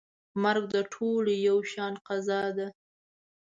مرګ د ټولو یو شان قضا ده.